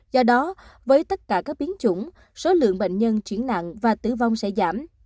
do đó với tất cả các biến chủng số lượng bệnh nhân chuyển nặng và tử vong sẽ giảm